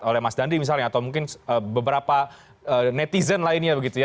oleh mas dandi misalnya atau mungkin beberapa netizen lainnya begitu ya